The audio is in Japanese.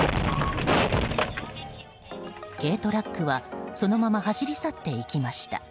軽トラックはそのまま走り去っていきました。